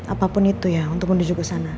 apapun itu ya untuk menuju ke sana